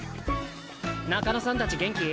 中野さん達元気？